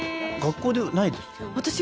学校でないですか？